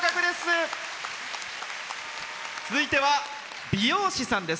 続いては美容師さんです。